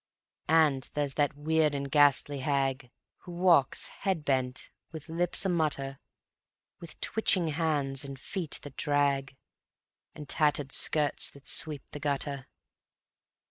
_And there's that weird and ghastly hag Who walks head bent, with lips a mutter; With twitching hands and feet that drag, And tattered skirts that sweep the gutter.